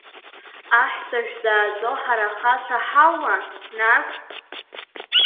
Аҳәса шәзааӡо, ҳара ахацәа ҳаума, нас?